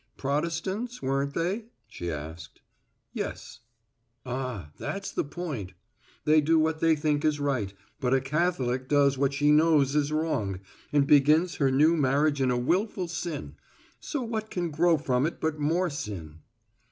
"Protestants weren't they?" she asked. "Yes." "Ah, that's the point. They do what they think is right, but a Catholic does what she knows is wrong, and begins her new marriage in a wilful sin, so what can grow from it but more sin?"